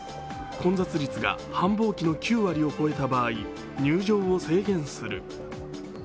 混雑率が繁忙期の９割を超えた場合入場を制限する。